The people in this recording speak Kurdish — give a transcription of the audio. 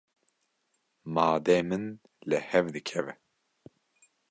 Madê min li hev dikeve.